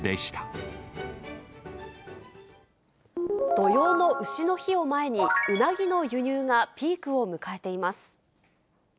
土用のうしの日を前に、うなぎの輸入がピークを迎えています。